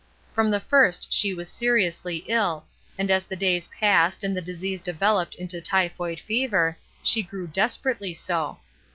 From the first she was seriously ill, and as the days passed and the disease developed into typhoid fever, she grew desperately so.